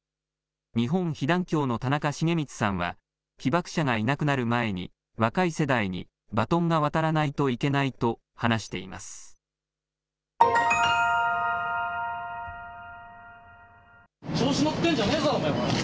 日本被団協の田中重光さんは、被爆者がいなくなる前に、若い世代にバトンが渡らないといけない調子乗ってんじゃねぇぞ！